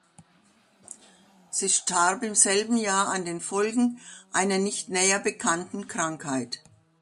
Sie starb im selben Jahr an den Folgen einer nicht näher bekannten Krankheit.